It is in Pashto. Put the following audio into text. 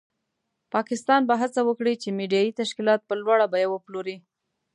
پاکستان به هڅه وکړي چې میډیایي تشکیلات په لوړه بیه وپلوري.